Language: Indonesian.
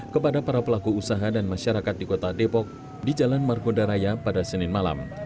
kepada para pelaku usaha dan masyarakat di kota depok di jalan margonda raya pada senin malam